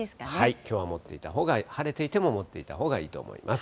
きょうは持っていたほうが、晴れていても持っていたほうがいいと思います。